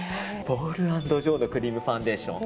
ポール＆ジョーのクリームファンデーション。